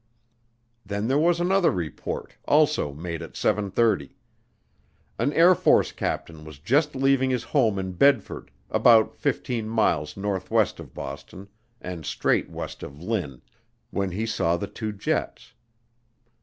Then there was another report, also made at seven thirty. An Air Force captain was just leaving his home in Bedford, about 15 miles northwest of Boston and straight west of Lynn, when he saw the two jets.